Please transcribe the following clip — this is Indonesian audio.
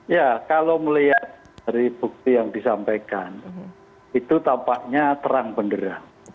ya kalau melihat dari bukti yang disampaikan itu tampaknya terang benderang